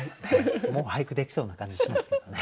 もう俳句できそうな感じしますけどね。